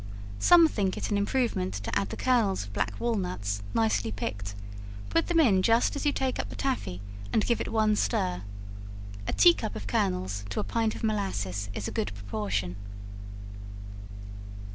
Some think it an improvement to add the kernels of black walnuts, nicely picked put them in just as you take up the taffy and give it one stir; a tea cup of kernels to a pint of molasses is a good proportion.